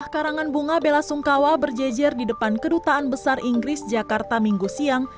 karangan bunga bela sungkawa berjejer di depan kedutaan besar inggris jakarta minggu siang